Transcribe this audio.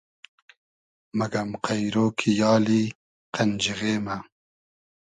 مئگئم قݷرۉ کی یالی قئنجیغې مۂ